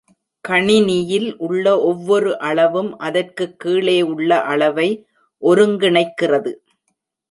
கணினியில் உள்ள ஒவ்வொரு அளவும் அதற்குக் கீழே உள்ள அளவை ஒருங்கிணைக்கிறது.